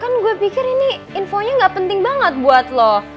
kan gue pikir ini infonya gak penting banget buat lo